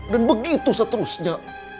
dan begitu seterusnya